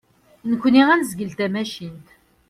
Nekni ad nezgel tamacint.